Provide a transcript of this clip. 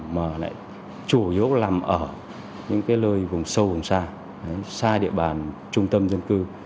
mà lại chủ yếu nằm ở những cái lơi vùng sâu vùng xa sai địa bàn trung tâm dân cư